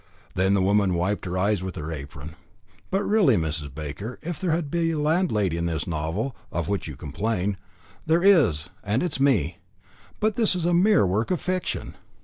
Then the woman wiped her eyes with her apron. "But really, Mrs. Baker, if there be a landlady in this novel of which you complain " "There is, and it is me." "But it is a mere work of fiction."